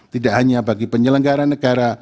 tidak hanya bagi penyelenggara negara